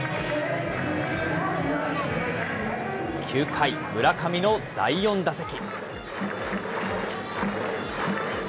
９回、村上の第４打席。